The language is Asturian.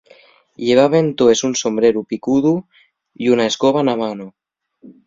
Llevaben toes un sombreru picudu y una escoba na mano.